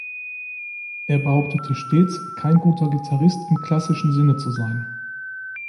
Er behauptete stets, kein guter Gitarrist im klassischen Sinne zu sein.